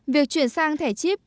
việc chuyển sang thẻ chip